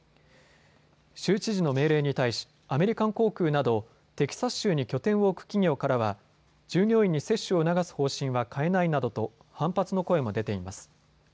州知事の命令に対しアメリカン航空などテキサス州に拠点を置く企業からは従業員に接種を促す方針は変えないなどと反発の声も出ています。